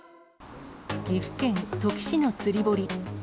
岐阜県土岐市の釣堀。